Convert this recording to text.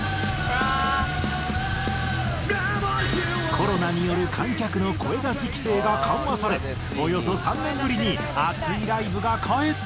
コロナによる観客の声出し規制が緩和されおよそ３年ぶりにアツいライブが帰ってきた！